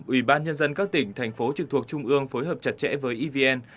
ủy ban nhân dân các tỉnh thành phố trực thuộc trung ương phối hợp chặt chẽ với evn